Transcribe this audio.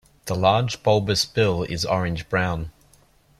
The large, bulbous bill is orange-brown.